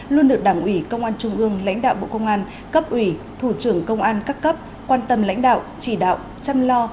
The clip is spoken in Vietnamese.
luôn được đảng ủy công an trung ương lãnh đạo bộ công an cấp ủy thủ trưởng công an các cấp quan tâm lãnh đạo chỉ đạo chăm lo